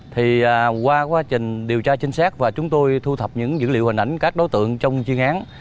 thì qua quá trình điều tra chính xác và chúng tôi thu thập những dữ liệu hình ảnh các đối tượng trong chiên án